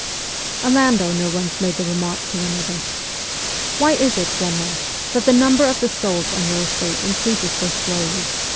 A landowner once made the remark to another, ' Why is it, general, that the number of the souls on your estate increases so slowly